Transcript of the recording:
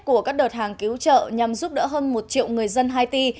của các đợt hàng cứu trợ nhằm giúp đỡ hơn một triệu người dân haiti